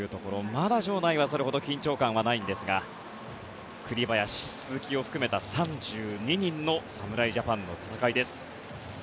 まだ場内はそれほど緊張感はないんですが栗林、鈴木を含めた３２人の侍ジャパンの戦いです。